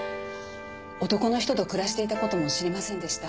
男の人と暮らしていた事も知りませんでした。